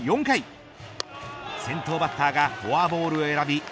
４回先頭バッターがフォアボールを選び